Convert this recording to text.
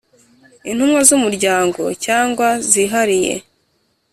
intumwa z umuryango cyangwa zihariye